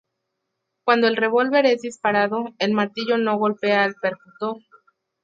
Cuando el revólver es disparado, el martillo no golpea al percutor.